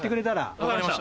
分かりました。